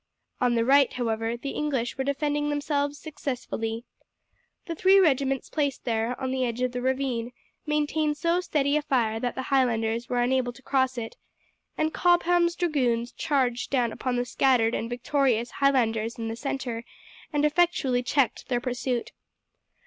On the right, however, the English were defending themselves successfully. The three regiments placed there, on the edge of the ravine, maintained so steady a fire that the Highlanders were unable to cross it, and Cobham's dragoons charged down upon the scattered and victorious Highlanders in the centre and effectually checked their pursuit.